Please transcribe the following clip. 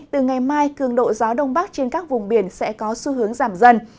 từ ngày mai cường độ gió đông bắc trên các vùng biển sẽ có xu hướng giảm dần